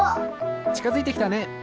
ちかづいてきたね。